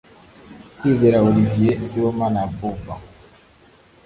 Kwizera Olivier; Sibomana Abuba